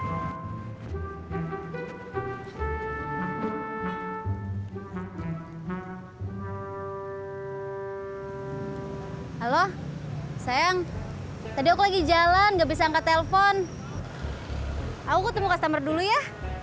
halo sayang tadi aku lagi jalan gak bisa angka telpon aku ketemu customer dulu ya